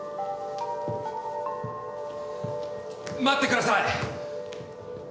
待ってください！